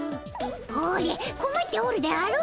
ほれこまっておるであろう。